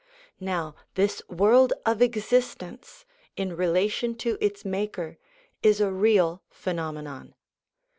Now this world of existence in relation to its maker is a real phenomenon.